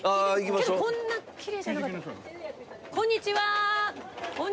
けどこんなきれいじゃなかった。